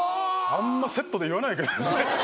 あんまセットで言わないけど。